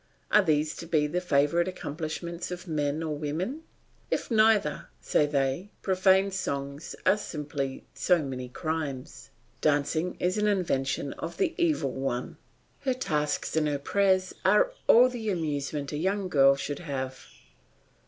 Are these to be the favourite accomplishments of men or women? Of neither, say they; profane songs are simply so many crimes, dancing is an invention of the Evil One; her tasks and her prayers we all the amusement a young girl should have.